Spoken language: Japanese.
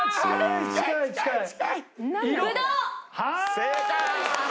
正解！